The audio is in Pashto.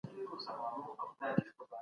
سفیرانو خپل باورلیکونه وړاندي کړل.